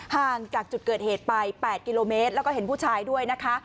ห่างจากจุดเกิดเหตุไป๘กิโลเมตรแล้วก็เห็นผู้ชายด้วยนะคะ